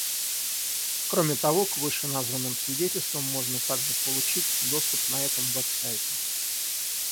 Кроме того, к вышеназванным свидетельствам можно также получить доступ на этом веб-сайте.